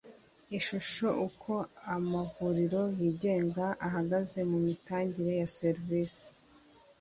Ishusho uko amavuriro yigenga ahagaze mu mitangire ya serivise